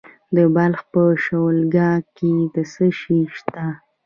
د بلخ په شولګره کې څه شی شته؟